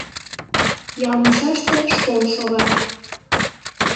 Ял мучаште школ шога.